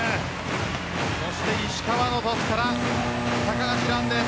そして石川のトスから高橋藍です。